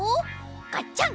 ガチャン！